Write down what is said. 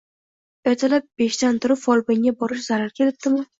Ertalab beshdan turib folbinga borish zaril kelibdimi